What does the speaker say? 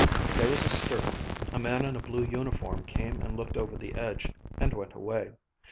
There was a stir; a man in a blue uniform came and looked over the edge, and went away.